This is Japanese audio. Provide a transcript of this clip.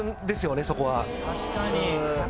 確かに。